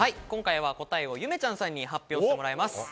今回は答えを、ゆめちゃんさんに発表してもらいます。